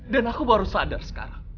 dan aku baru sadar sekarang